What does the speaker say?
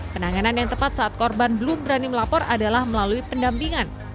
penanganan yang tepat saat korban belum berani melapor adalah melalui pendampingan